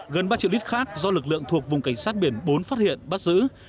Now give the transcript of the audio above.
gần ba triệu lít khác do lực lượng thuộc vùng cảnh sát biển bốn phát hiện bắt giữ